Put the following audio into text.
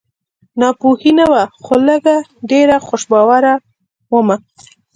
ناپوهي نه وه خو لږ ډېره خوش باوره ومه